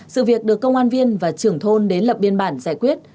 sự việc được công an viên và trưởng thôn đến lập biên bản giải quyết